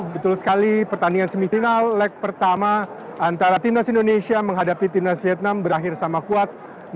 betul sekali pertandingan semifinal leg pertama antara timnas indonesia menghadapi timnas vietnam berakhir sama kuat